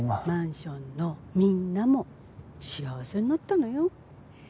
マンションのみんなも幸せになったのよ。